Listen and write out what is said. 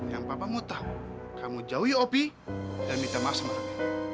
yang papa mau tahu kamu jauhi opie dan minta maaf sama anang